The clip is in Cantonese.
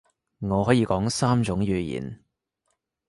我可以講三種語言